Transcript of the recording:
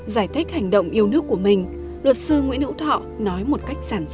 giải thích hành động yêu nước của mình luật sư nguyễn hữu thọ nói một cách giản dị